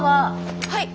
はい！